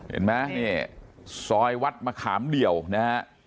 เห็นไหมนี่ซอยวัดมะขามเดี่ยวนะฮะ